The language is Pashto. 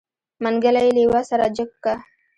منګلی يې لېوه سره جګ که.